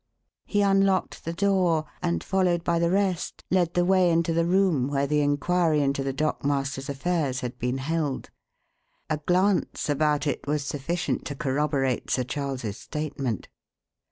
He unlocked the door and, followed by the rest, led the way into the room where the inquiry into the dockmaster's affairs had been held. A glance about it was sufficient to corroborate Sir Charles's statement.